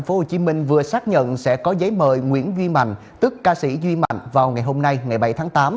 tp hcm vừa xác nhận sẽ có giấy mời nguyễn duy mạnh tức ca sĩ duy mạnh vào ngày hôm nay ngày bảy tháng tám